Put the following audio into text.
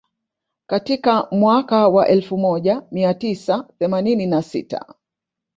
Katika mwaka wa elfu moja mia tisa themanini na sita